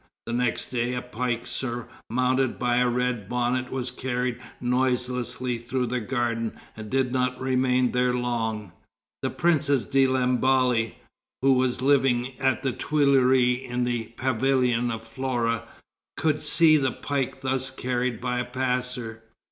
The next day a pike surmounted by a red bonnet was carried noiselessly through the garden, and did not remain there long." The Princess de Lamballe, who was living at the Tuileries in the Pavilion of Flora, could see the pike thus carried by a passer.